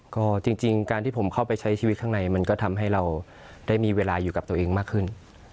ก็จริงการที่ผมเข้าไปใช้ชีวิตข้างในมันก็ทำให้เราได้มีเวลาอยู่กับตัวเองมากขึ้น